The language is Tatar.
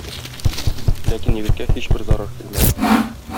Ләкин егеткә һичбер зарар килмәде.